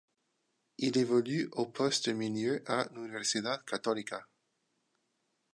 Il évolue au poste de milieu à l'Universidad Catolica.